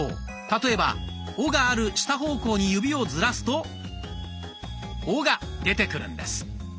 例えば「お」がある下方向に指をずらすと「お」が出てくるんです。